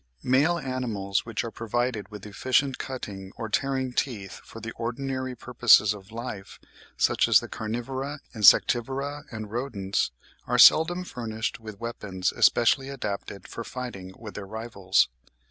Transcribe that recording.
Male animals which are provided with efficient cutting or tearing teeth for the ordinary purposes of life, such as the carnivora, insectivora, and rodents, are seldom furnished with weapons especially adapted for fighting with their rivals.